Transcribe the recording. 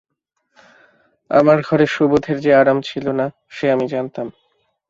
আমার ঘরে সুবোধের যে আরাম ছিল না সে আমি জানিতাম।